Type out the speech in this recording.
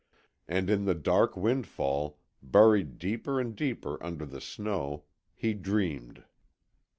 And in the dark wind fall, buried deeper and deeper under the snow, he dreamed.